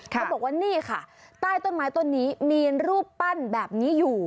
เขาบอกว่านี่ค่ะใต้ต้นไม้ต้นนี้มีรูปปั้นแบบนี้อยู่